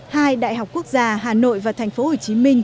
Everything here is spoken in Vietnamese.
hai đại học quốc gia hà nội và tp hcm